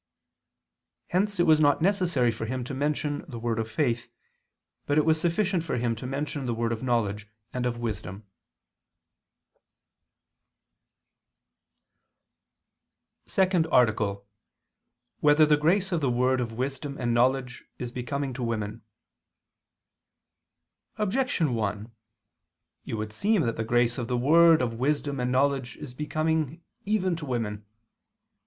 Hence it was not necessary for him to mention the word of faith, but it was sufficient for him to mention the word of knowledge and of wisdom. _______________________ SECOND ARTICLE [II II, Q. 177, Art. 2] Whether the Grace of the Word of Wisdom and Knowledge Is Becoming to Women? Objection 1: It would seem that the grace of the word of wisdom and knowledge is becoming even to women.